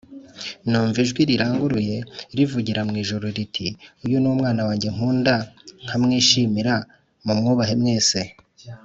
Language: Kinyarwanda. Numva ijwi riranguruye rivugira mu ijuru riti uyu ni umwana wanjye nkunda nkamwishimira mu mwubahe mwese.